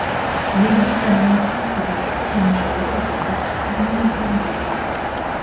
L'Eglise Adventiste du Septième Jour est en particulier interdite.